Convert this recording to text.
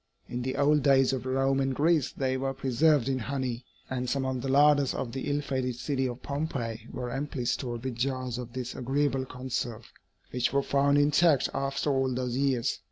In the old days of Rome and Greece they were preserved in honey, and some of the larders of the ill fated city of Pompeii were amply stored with jars of this agreeable conserve, which were found intact after all those years.